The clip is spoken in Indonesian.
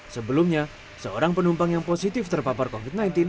sebelumnya seorang penumpang yang positif terpapar covid sembilan belas